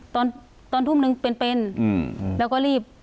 ตอนตอนทุ่มนึงเป็นแล้วก็รีบ